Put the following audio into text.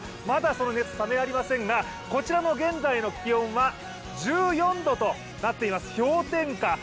まだその熱冷めやみませんがこちらの現在の気温は１４度となっています、氷点下。